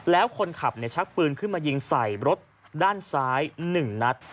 แล้วคนขับชักปืนขึ้นมายิงใส่รถด้านซ้าย๑นัด